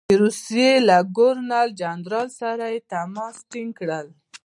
د روسیې له ګورنر جنرال سره یې تماس ټینګ کړ.